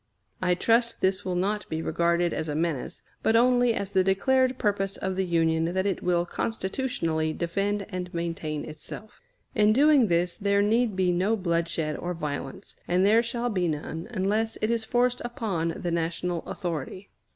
I trust this will not be regarded as a menace, but only as the declared purpose of the Union that it will constitutionally defend and maintain itself. In doing this there need be no bloodshed or violence, and there shall be none unless it is forced upon the national authority.